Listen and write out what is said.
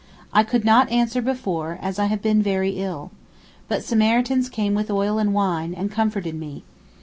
I could not answer before, as I have been very ill. But Samaritans came with oil and wine and comforted me.